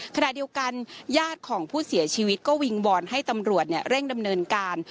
ขณะเดียวกันญาติของผู้เสียชีวิตก็วิงวอนให้ตำรวจเร่งดำเนินการ